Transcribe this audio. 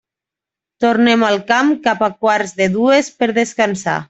Tornem al camp cap a quarts de dues per descansar.